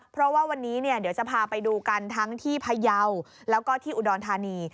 เพราะว่าวันนี้เนี่ยเดี๋ยวจะพาไปดูกันทั้งที่พยาวแล้วก็ที่อุดรธานี